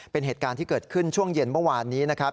เป็นเหตุการณ์ที่เกิดขึ้นช่วงเย็นเมื่อวานนี้นะครับ